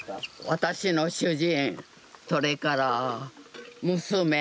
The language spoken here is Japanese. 私の主人それから娘